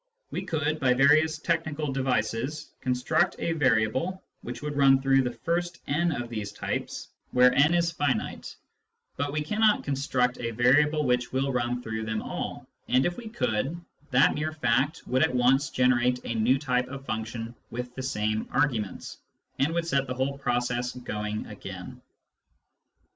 We could, by various technical devices, con struct a variable which would run through the first n of these types, where n is finite, but we cannot construct a variable which will run through them all, and, if we could, that mere fact would at once generate a new type of function with the same arguments, and would set the whole process going again.